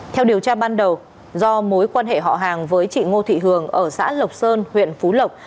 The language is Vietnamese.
theo điều tra ban đầu do mối quan hệ họ hàng với chị ngô thị hường ở xã lộc sơn huyện phú lộc